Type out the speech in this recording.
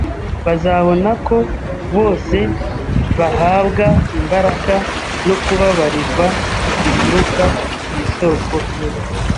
Bazabona ko bose bahabwa imbaraga no kubabarirwa bituruka ku isoko imwe